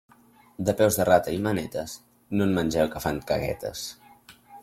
De peus de rata i manetes, no en mengeu, que fan caguetes.